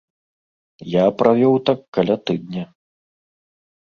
Я правёў так каля тыдня.